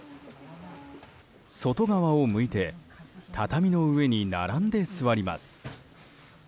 外側を向いて畳の上に並んで座ります。